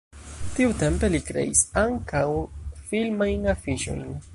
Tiutempe li kreis ankaŭ filmajn afiŝojn.